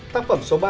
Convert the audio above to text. tác phẩm số ba